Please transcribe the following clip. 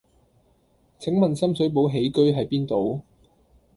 請問深水埗喜居喺邊度？